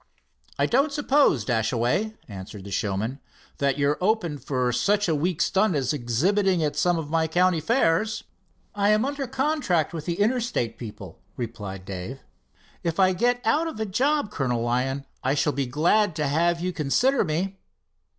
"I don't suppose, Dashaway," answered the showman, "that you're open for such a week stunt as exhibiting at some of my county fairs?" "I am under contract with the Interstate people," replied Dave. "If I get out of a job, Colonel Lyon, I shall be glad to have you consider me."